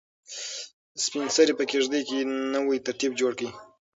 سپین سرې په کيږدۍ کې نوی ترتیب جوړ کړ.